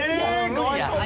無理や。